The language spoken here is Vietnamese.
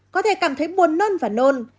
có thể cảm thấy buồn nôn và nôn